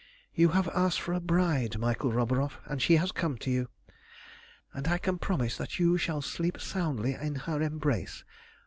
"You have asked for a bride, Michael Roburoff, and she has come to you, and I can promise you that you shall sleep soundly in her embrace.